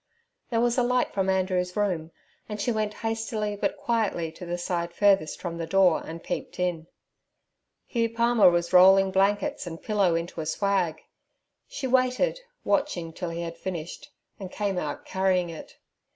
There was a light from Andrew's room, and she went hastily but quietly to the side furthest from the door and peeped in. Hugh Palmer was rolling blankets and pillow into a swag. She waited, watching till he had finished, and came out carrying it.